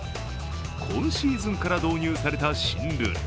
今シーズンから導入された新ルール。